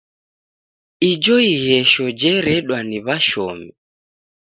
Ijo ighesho jeredwa ni w'ashomi.